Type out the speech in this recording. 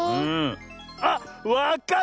あっわかった！